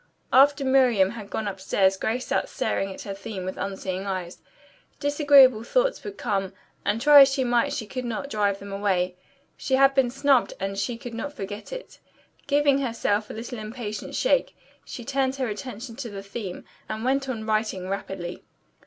After Miriam had gone upstairs Grace sat staring at her theme with unseeing eyes. Disagreeable thoughts would come, and try as she might she could not drive them away. She had been snubbed and she could not forget it. Giving herself a little impatient shake she turned her attention to her theme and went on writing rapidly.